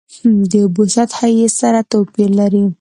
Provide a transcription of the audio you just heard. د اوبو سطحه یې سره توپیر لري.